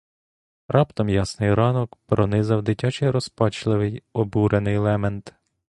Раптом ясний ранок пронизав дитячий розпачливий, обурений лемент.